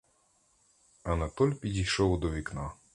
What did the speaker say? Анатоль підійшов до вікна.